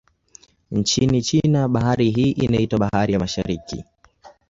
Nchini China, bahari hii inaitwa Bahari ya Mashariki.